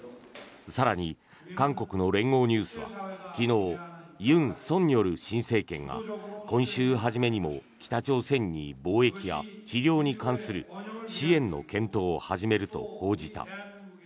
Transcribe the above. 更に、韓国の連合ニュースは昨日、尹錫悦新政権が今週初めにも北朝鮮に防疫や治療に関する支援の検討を始めると報じた。